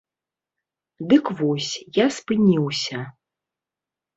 Дык вось, я спыніўся.